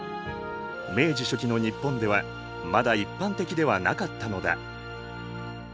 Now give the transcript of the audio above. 明治初期の日本ではまだ一般的ではなかったのだ。